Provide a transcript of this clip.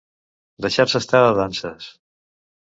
Deixar-se estar de danses.